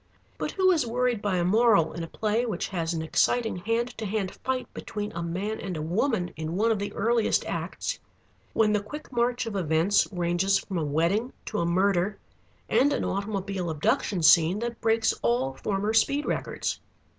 But who is worried by a moral in a play which has an exciting hand to hand fight between a man and a woman in one of the earliest acts, when the quick march of events ranges from a wedding to a murder and an automobile abduction scene that breaks all former speed records.